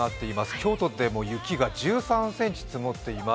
京都でも雪が１３ｃｍ積もっています。